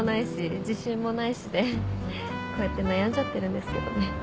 自信もないしでこうやって悩んじゃってるんですけどね。